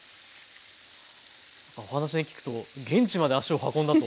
お話に聞くと現地まで足を運んだと。